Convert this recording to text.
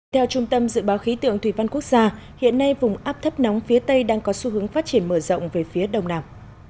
theo trung tâm dự báo khí tượng thủy văn quốc gia hiện nay vùng áp thấp nóng phía tây đang có xu hướng phát triển mở rộng về phía đông nam